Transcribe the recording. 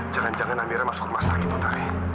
jangan jangan amira masuk rumah sakit mutari